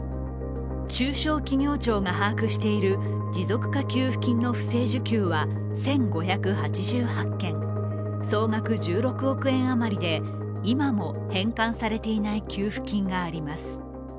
中小企業庁が把握している持続化給付金の不正受給は１５８８件、総額１６億円あまりで今も返還されていない給付金があります。